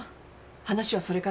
話はそれからね。